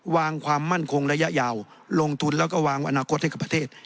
ความมั่นคงระยะยาวลงทุนแล้วก็วางอนาคตให้กับประเทศ